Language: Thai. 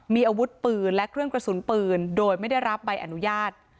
มีอาวุธปืนและเครื่องกระสุนปืนโดยไม่ได้รับใบอนุญาต